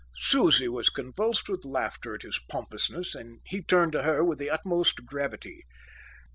Susie was convulsed with laughter at his pompousness, and he turned to her with the utmost gravity.